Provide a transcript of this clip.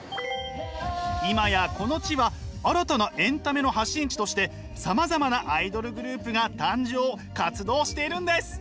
今やこの地は新たなエンタメの発信地としてさまざまなアイドルグループが誕生活動しているんです。